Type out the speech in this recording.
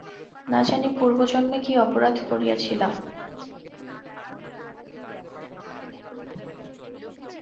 না জানি পূর্বজন্মে কী অপরাধ করিয়াছিলাম!